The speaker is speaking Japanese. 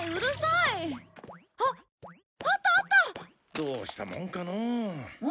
どうしたもんかのう。